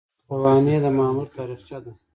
سوانح د مامور تاریخچه ده